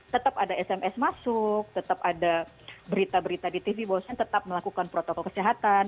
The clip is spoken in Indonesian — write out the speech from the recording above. tetap ada sms masuk tetap ada berita berita di tv bahwasannya tetap melakukan protokol kesehatan